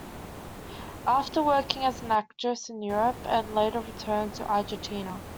After working as actress in Europe, and later returned to Argentina.